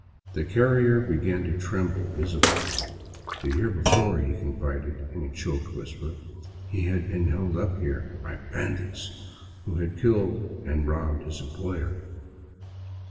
The carrier began to tremble visibly. The year before, he confided in a choked whisper, he had been held up here by bandits, who had killed and robbed his employer.